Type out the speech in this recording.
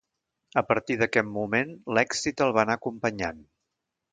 A partir d'aquest moment l'èxit el va anar acompanyant.